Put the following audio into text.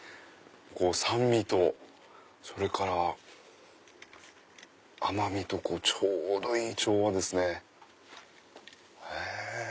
酸味とそれから甘みとちょうどいい調和ですね。